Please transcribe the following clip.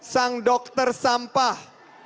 sang dokter sampah